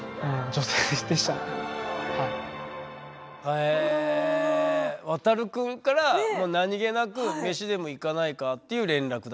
へえワタル君から何気なく「飯でも行かないか？」っていう連絡だったんだ。